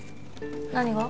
何が？